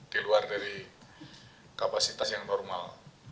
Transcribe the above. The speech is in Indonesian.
di luar dari kapasitas yang normal